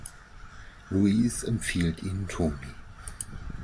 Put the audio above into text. Luise empfiehlt ihnen Toni.